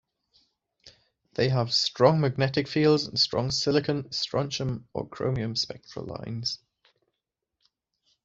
They have strong magnetic fields and strong silicon, strontium, or chromium spectral lines.